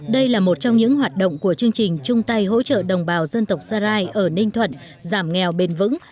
đây là một trong những hoạt động của chương trình chung tay hỗ trợ đồng bào dân tộc sarai ở ninh thuận giảm nghèo bền vững